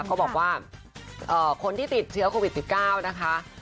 ก็บอกว่าคนที่ติดเชื้อโควิด๑๙นะคะ